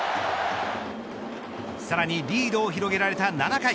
さらにリードを広げられた７回。